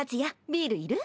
ビールいる？